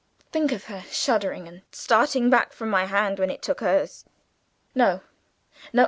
Think of her shuddering and starting back from my hand when it took hers! No! no!